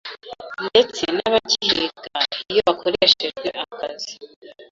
ndetse n'abakihiga iyo bakoreshejwe akazi